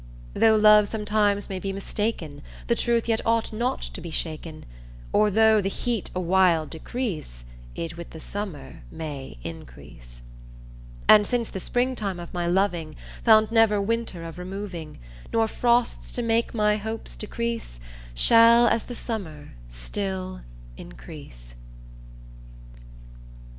Though love sometimes may be mistaken The truth yet ought not to be shaken, Or though the heat awhile decrease It with the Summer may increase. And since the Springtime of my loving Found never Winter of removing Nor frost* to make my hopes decrease Shall as the Summer still increase.